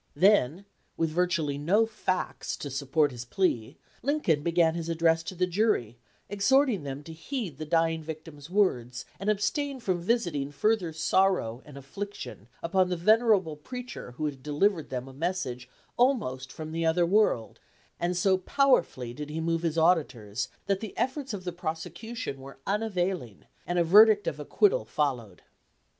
Then, with virtually no facts to support his plea, Lincoln began his address to the jury, exhorting them to heed the dying victim's words and abstain from visiting further sorrow and affliction upon the venerable preacher who had delivered them a message almost from the other world; and so powerfully did he move his auditors that the efforts of the prosecution were unavailing and a verdict of acquittal followed.